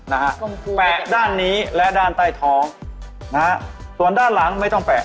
นะฮะแปะด้านนี้และด้านใต้ท้องนะฮะส่วนด้านหลังไม่ต้องแปะ